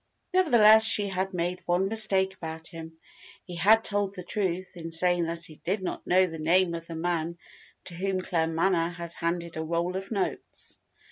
Nevertheless, she had made one mistake about him. He had told the truth in saying that he did not know the name of the man to whom Claremanagh had handed a roll of notes.